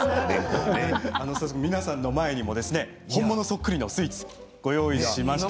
皆さんの前に本物そっくりのスイーツご用意しました。